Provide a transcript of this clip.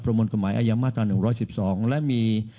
ประมณ์กฎหมายอายังมาตรา๑๑๒และมี